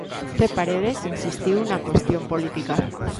Zé Paredes insistiu na cuestión política.